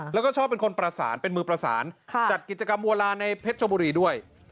แล้วก็ชอบเป็นคนประสานเป็นมือประสานจัดกิจกรรมบัวลาในเพชรชบุรีด้วย